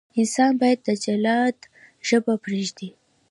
انسان باید د جلاد ژبه پرېږدي.